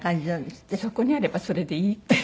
そこにあればそれでいいっていうか。